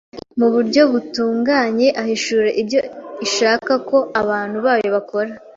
mu buryo butunganye ahishura ibyo ishaka ko abantu bayo bakora ;